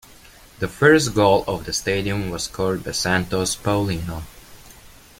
The first goal of the stadium was scored by Santos' Paulinho.